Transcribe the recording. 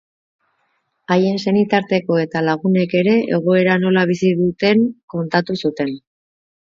Haien senitarteko eta lagunek ere, egoera nola bizi duten kontatu zuten.